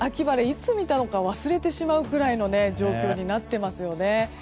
いつ見たのか忘れてしまうくらいの状況になっていますよね。